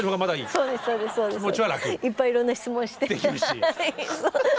そうですか。